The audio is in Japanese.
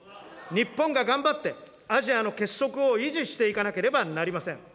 日本が頑張って、アジアの結束を維持していかなければなりません。